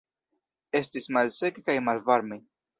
Estis malseke kaj malvarme.